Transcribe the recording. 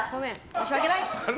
申し訳ない！